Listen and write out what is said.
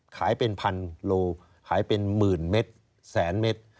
ขายเป็นพันโลขายเป็นหมื่นเม็ดแสนเม็ด